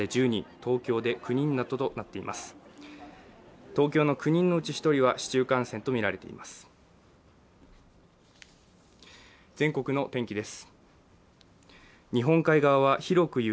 東京の９人のうち１人は市中感染とみられています。